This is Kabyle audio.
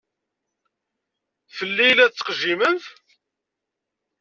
Fell-i i la tettqejjimemt?